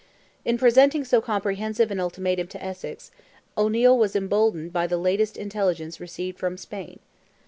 In presenting so comprehensive an ultimatum to Essex, O'Neil was emboldened by the latest intelligence received from Spain.